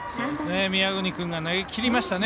宮國君が投げきりましたね。